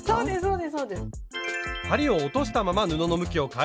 そうですそうです！